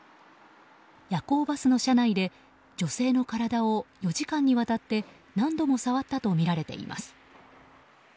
夜行バスの車内で女性の体を４時間にわたって何度も触ったとみられています。